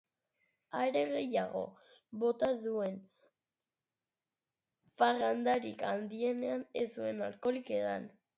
Are gehiago, bota duen parrandarik handienean ez zuen alkoholik edan.